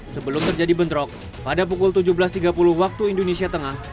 sebelum terjadi bentrok pada pukul tujuh belas tiga puluh waktu indonesia tengah